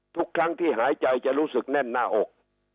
ทุกครั้งที่หายใจจะรู้สึกแน่นหน้าอก